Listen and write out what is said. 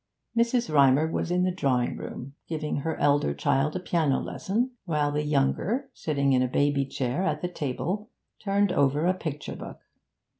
Mrs. Rymer was in the drawing room, giving her elder child a piano lesson, while the younger, sitting in a baby chair at the table, turned over a picture book.